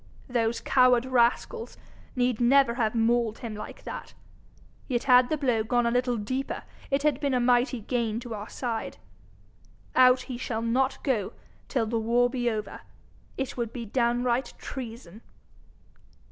Those coward rascals need never have mauled him like that. Yet had the blow gone a little deeper it had been a mighty gain to our side. Out he shall not go till the war be over! It would be downright treason.'